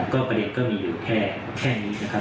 ก็ประเด็นก็มีอยู่แค่นี้นะครับ